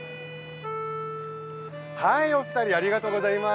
はい、お二人ありがとうございます。